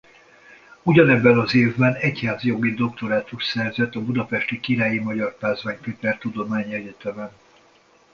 Ugyanebben az évben egyházjogi doktorátust szerzett a budapesti Királyi Magyar Pázmány Péter Tudományegyetemen.